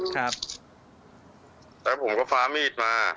แต่ผมก็ฟ้ามีดมา